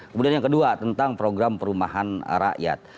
kemudian yang kedua tentang program perumahan rakyat